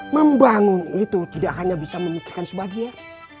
membangun itu tidak hanya bisa memikirkan sebagian